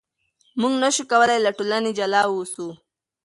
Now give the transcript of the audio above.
موږ نشو کولای له ټولنې جلا اوسو.